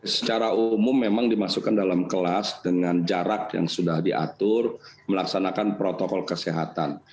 secara umum memang dimasukkan dalam kelas dengan jarak yang sudah diatur melaksanakan protokol kesehatan